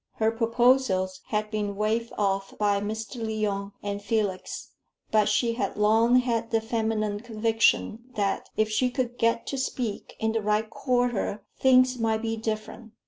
Her proposals had been waived off by Mr Lyon and Felix; but she had long had the feminine conviction that if she could "get to speak" in the right quarter, things might be different.